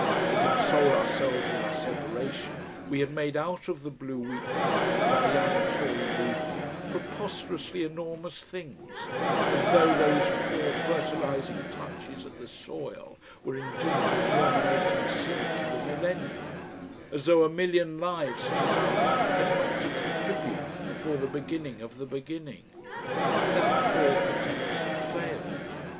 To console ourselves in our separation we had made out of the BLUE WEEKLY and our young Tory movement preposterously enormous things as though those poor fertilising touches at the soil were indeed the germinating seeds of the millennium, as though a million lives such as ours had not to contribute before the beginning of the beginning. That poor pretence had failed.